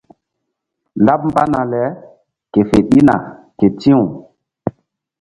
Laɓ mbana le ke fe ɗina ke ti̧w.